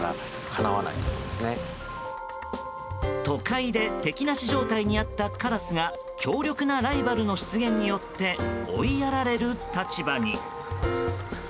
都会で敵なし状態にあったカラスが強力なライバルの出現によって追いやられる立場に。